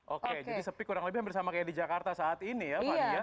oke jadi sepi kurang lebih yang bersama kayak di jakarta saat ini ya pak dea